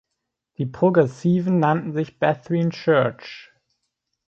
Die Progressiven nannten sich Brethren Church.